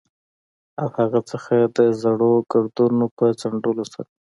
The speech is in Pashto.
له هغه څخه د زړو ګردونو په څنډلو سره.